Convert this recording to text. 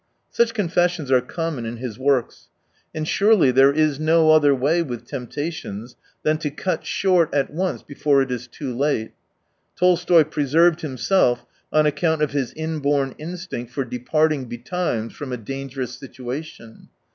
Such confessions are common in his works. And surely there is no other way with temptations, than to cut short, at once, before it is too late. Tolstoy preserved himself on account of his inborn instinct for departing betimes from a dangerous situation.